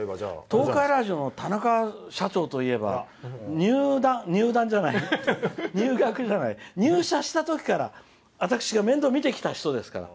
東海ラジオの田中社長といえば入団じゃない入学じゃない入社したときから私が面倒を見てきた人ですから。